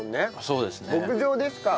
そうですね。